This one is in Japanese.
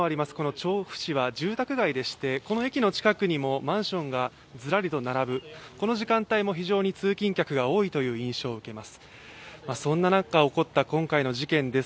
調布市は住宅街でしてこの駅の近くにもマンションがずらりと並ぶこの時間帯も非常に通勤客が多いという印象を受けます。